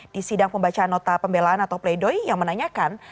di sidang pembacaan nota pembelaan atau pleidoy yang menanyakan